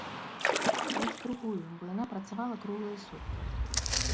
Больш другую, бо яна працавала круглыя суткі.